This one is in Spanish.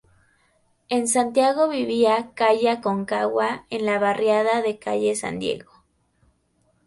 En Santiago vivía calle Aconcagua en la barriada de calle San Diego.